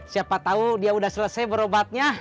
siapa tahu dia sudah selesai berobatnya